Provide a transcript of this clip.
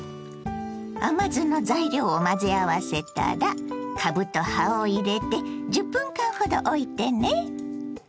甘酢の材料を混ぜ合わせたらかぶと葉を入れて１０分間ほどおいてね。